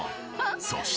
そして。